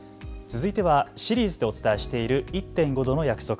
続いてはシリーズでお伝えしている１．５℃の約束